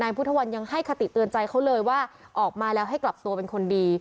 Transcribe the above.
พุทธวันยังให้คติเตือนใจเขาเลยว่าออกมาแล้วให้กลับตัวเป็นคนดี